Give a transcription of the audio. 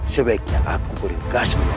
sebaiknya aku beri gas menurutnya